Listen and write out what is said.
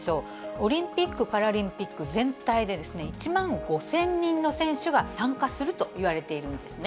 オリンピック・パラリンピック全体で、１万５０００人の選手が参加すると言われているんですね。